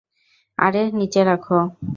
আরে নিচে রাখো।